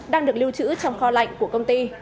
đang được lưu trữ trong kho lạnh của công ty